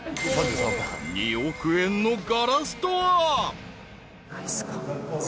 ［２億円のガラスとは！？］